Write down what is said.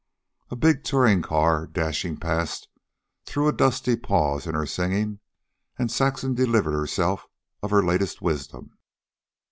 A big touring car, dashing past, threw a dusty pause in her singing, and Saxon delivered herself of her latest wisdom.